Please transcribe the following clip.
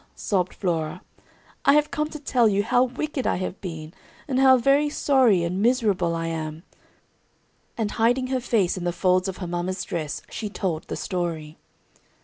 sobbed Flora, "I have come to tell you how wicked I have been, and how very sorry and miserable I am;" and hiding her face in the folds of her mama's dress, she told the story.